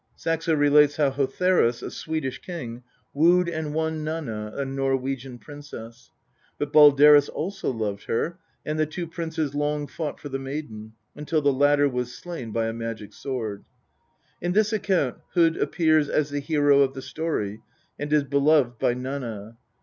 Saxo relates how Hotherus, a Swedish king, wooed and won Nanna, a Norwegian princess; but Balderus also loved her, and the two princes long fought for the maiden, until the latter was slain by a magic sword. In this account Hod appears as the hero of the story, and is beloved by Nanna.